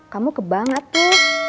kamu kebang ate